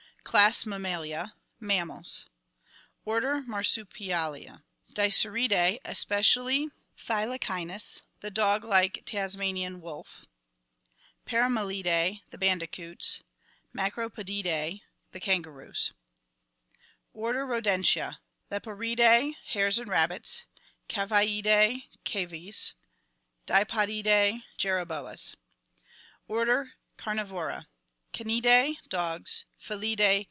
Class Mammalia. Mammals Order Marsupialia. Dasyuridae, especially Tkylacynus, the dog like Tasmanian "wolf." Peramelidae, the bandicoots. Macropodidae, the kangaroos. Order Rodentia. Leporidae. Hares and rabbits. Caviidae. Cavies. Dipodidac. Jerboas. Order Carnivora. Canidae. Dogs. Felidae.